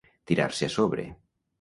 Tirar-se a sobre.